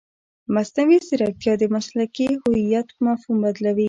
مصنوعي ځیرکتیا د مسلکي هویت مفهوم بدلوي.